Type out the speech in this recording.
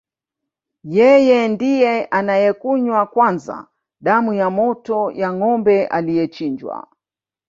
Yeye ndiye anayekunywa kwanza damu ya moto ya ngombe aliyechinjwa